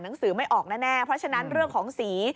หนังสือไม่ออกแน่เพราะฉะนั้นเรื่องของสี